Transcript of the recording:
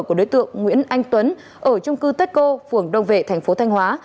của đối tượng nguyễn anh tuấn ở trung cư tết cô phường đông vệ thành phố thanh hóa